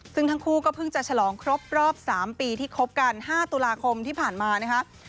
ซึ่งทั้งคู่ก็เพิ่งจะฉลองครบรอบ๓ปีที่คบกัน๕ตุลาคมที่ผ่านมานะคะ